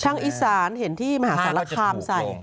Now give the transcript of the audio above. อีสานเห็นที่มหาสารคามใส่